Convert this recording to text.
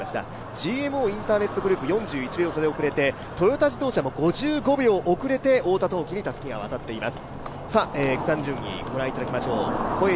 ＧＭＯインターネットグループは４１秒差で遅れて、トヨタ自動車も５５秒遅れてたすきが渡っています。